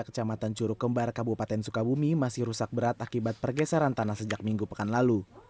kecamatan curug kembar kabupaten sukabumi masih rusak berat akibat pergeseran tanah sejak minggu pekan lalu